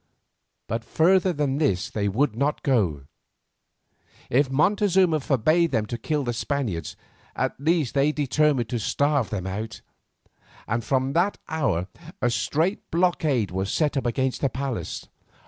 But further than this they would not go. If Montezuma forbade them to kill the Spaniards, at least they determined to starve them out, and from that hour a strait blockade was kept up against the palace.